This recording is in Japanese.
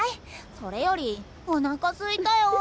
それよりおなかすいたよ。